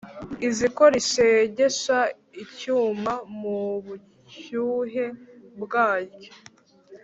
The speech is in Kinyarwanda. Iziko rishegesha icyuma mu bushyuhe bwaryo,